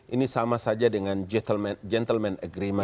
ini sama saja dengan gentleman agreement